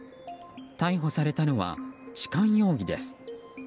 逮捕されたのは、痴漢容疑です。